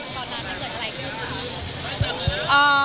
เป็นอย่างเท่านั้น